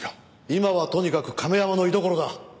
今はとにかく亀山の居所だ。